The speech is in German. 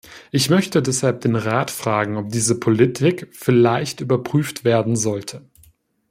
Ich möchte deshalb den Rat fragen, ob diese Politik vielleicht überprüft werden sollte.